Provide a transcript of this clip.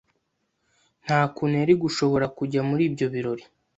Nta kuntu yari gushobora kujya muri ibyo birori.